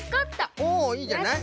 おっいいんじゃない？